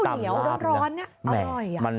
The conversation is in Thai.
แล้วก็กินกับส้มตำข้าวเหนียวร้อน